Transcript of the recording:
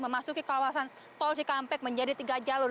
memasuki kawasan tol cikampek menjadi tiga jalur